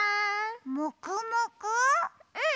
うん！